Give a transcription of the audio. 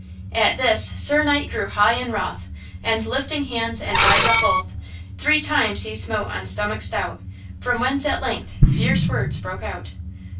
At this, Sir Knight grew high in wroth, And lifting hands and eyes up both, Three times he smote on stomach stout, From whence, at length, fierce words broke out.